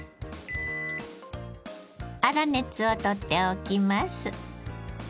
粗熱を取っておきます。